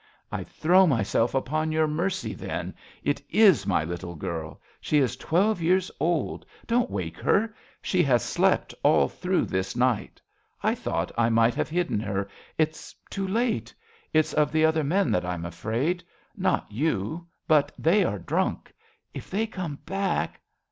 I throw myself upon your mercy, then. It is my little girl. She is twelve years old. Don't wake her. She has slept all through this night. I thought I might have hidden her. It's too late. It's of the other men that I'm afraid. Not you. But they are drunk. If they come back.